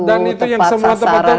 dan itu yang semua tepatnya